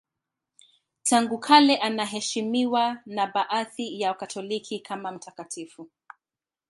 Tangu kale anaheshimiwa na baadhi ya Wakatoliki kama mtakatifu.